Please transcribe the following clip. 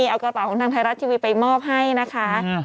เอากระเป๋าของทางไทยรัฐทีวีไปมอบให้นะคะ